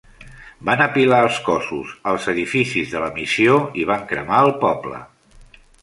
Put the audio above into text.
Van apilar els cossos als edificis de la missió i van cremar el poble.